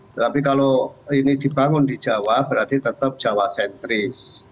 tapi kalau ini dibangun di jawa berarti tetap jawa sentris